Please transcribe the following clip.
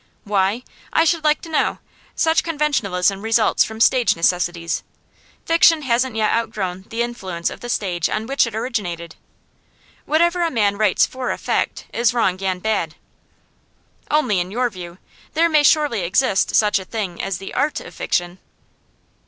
Why? I should like to know. Such conventionalism results from stage necessities. Fiction hasn't yet outgrown the influence of the stage on which it originated. Whatever a man writes FOR EFFECT is wrong and bad.' 'Only in your view. There may surely exist such a thing as the ART of fiction.